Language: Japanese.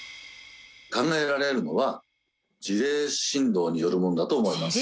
考えられるのは自励振動によるものだと思われます。